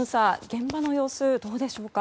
現場の様子、どうでしょうか。